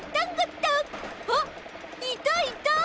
あっいたいた！